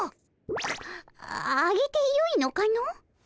ああげてよいのかの？